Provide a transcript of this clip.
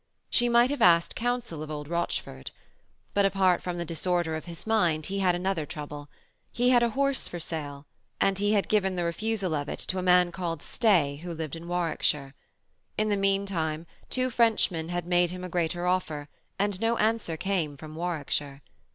She might have asked counsel of old Rochford. But apart from the disorder of his mind he had another trouble. He had a horse for sale, and he had given the refusal of it to a man called Stey who lived in Warwickshire. In the meanwhile two Frenchmen had made him a greater offer, and no answer came from Warwickshire.